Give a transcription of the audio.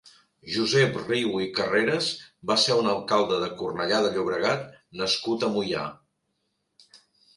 Josep Riu i Carreras va ser un alcalde de Cornellà de Llobregat nascut a Moià.